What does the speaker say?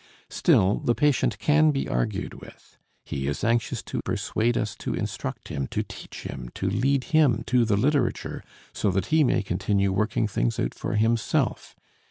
Still the patient can be argued with, he is anxious to persuade us to instruct him, to teach him, to lead him to the literature, so that he may continue working things out for himself.